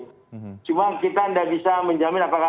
saya juga tidak ingin ini bertambah saya berharap